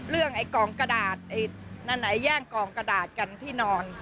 เรื่องไอ้กล่องกระดาษไอ้นั่นไอ้แย่งกล่องกระดาษกันที่นอน